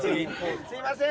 すいません。